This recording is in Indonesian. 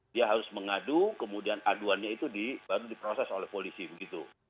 dia harus mengadu kemudian aduannya itu baru diproses oleh polisi begitu